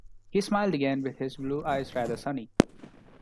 He smiled again, with his blue eyes rather sunny.